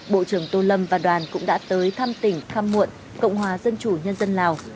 bộ trưởng tô lâm và đoàn cũng đã tới thăm tỉnh kham muộn cộng hòa dân chủ nhân dân lào